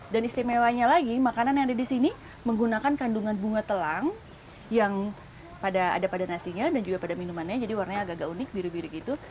dan istimewanya lagi makanan yang ada di sini menggunakan kandungan bunga telang yang ada pada nasinya dan juga pada minumannya jadi warnanya agak unik biru biru gitu